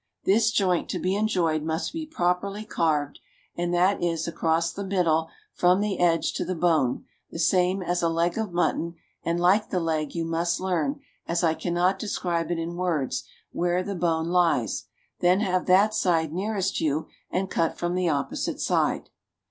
This joint, to be enjoyed, must be properly carved, and that is, across the middle from the edge to the bone, the same as a leg of mutton; and like the leg, you must learn, as I cannot describe it in words, where the bone lies, then have that side nearest you and cut from the opposite side.